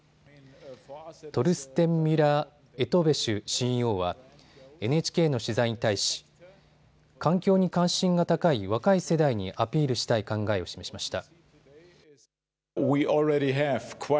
トルステン・ミュラー・エトヴェシュＣＥＯはＮＨＫの取材に対し、環境に関心が高い若い世代にアピールしたい考えを示しました。